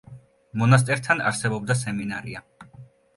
მონასტერთან არსებობდა სემინარია.